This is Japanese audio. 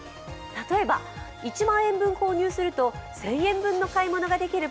例えば、１万円分購入すると、１０００円分の買い物ができる